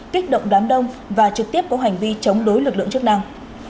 kích động đám đông và trực tiếp có hành vi chống đối lực lượng chức năng